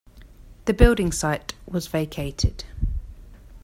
The building site was vacated.